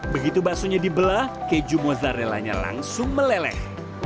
begitu baksonya dibelah keju mozzarella nya langsung meleleh